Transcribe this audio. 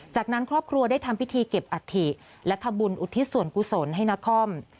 จากนั้นครอบครัวได้ทำพิธีเก็บอัฐิและทำบุญอุทิศส่วนกุศลให้นคร